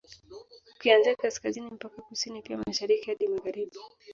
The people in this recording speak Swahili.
Ukianzia Kaskazini mpaka Kusini pia Mashariki hadi Magharibi